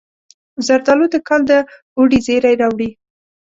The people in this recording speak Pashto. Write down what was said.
زردالو د کال د اوړي زیری راوړي.